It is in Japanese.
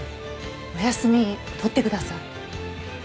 お休み取ってください。